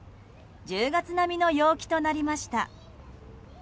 １０月並みの陽気となりました。